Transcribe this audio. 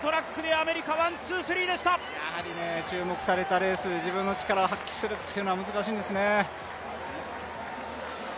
やはり注目されたレースで自分の力を発揮するというのは難しいんですね。